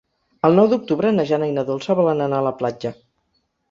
El nou d'octubre na Jana i na Dolça volen anar a la platja.